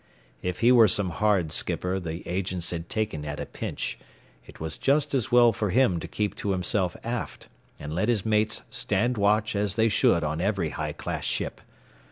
If he were some hard skipper the agents had taken at a pinch, it was just as well for him to keep to himself aft, and let his mates stand watch as they should on every high class ship.